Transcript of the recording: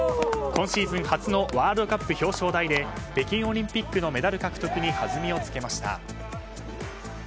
今シーズン初のワールドカップ表彰台で北京オリンピックのメダル獲得にはずみをつけました。